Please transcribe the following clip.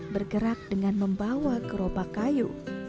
bergerak dengan membawa gerobak kayu